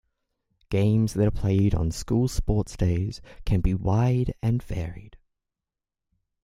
Games that are played on school sports days can be wide and varied.